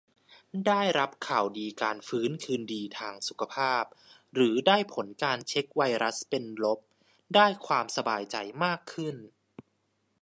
ได้รับข่าวดีการฟื้นคืนดีทางสุขภาพ หรือได้ผลการเช็กไวรัสเป็นลบ ได้ความสบายใจมากขึ้น